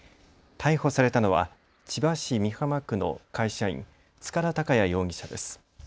逮捕されたのは千葉市美浜区の会社員、塚田考野容疑者です。